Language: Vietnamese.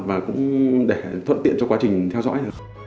và cũng để thuận tiện cho quá trình theo dõi được